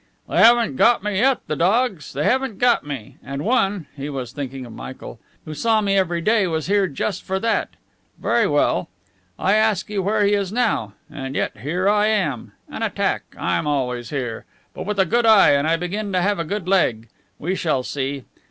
"They haven't got me yet, the dogs. They haven't got me! And one (he was thinking of Michael) who saw me every day was here just for that. Very well. I ask you where he is now. And yet here I am! An attack! I'm always here! But with a good eye; and I begin to have a good leg. We shall see.